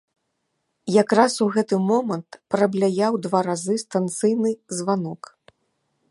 Якраз у гэты момант прабляяў два разы станцыйны званок.